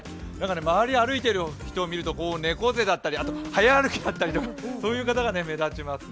周り歩いている人を見ると猫背だったり、早歩きだったりとかそういう方が目立ちますね。